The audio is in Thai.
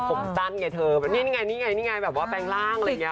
ผมสั้นไงเธอนี่ไงนี่ไงนี่ไงแบบว่าแปลงร่างอะไรอย่างนี้